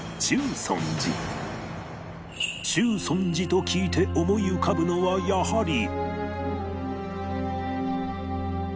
中尊寺と聞いて思い浮かぶのはやはり